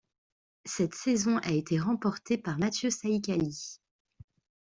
Cette saison a été remportée par Mathieu Saïkaly.